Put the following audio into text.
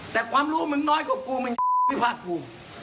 แต่ความรู้มึงน้อยกว่ากูมึงอย่าพังวิพากษ์กู